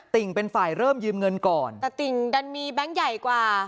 ติ่งเป็นฝ่ายเริ่มยืมเงินก่อนแต่ติ่งดันมีแบงค์ใหญ่กว่า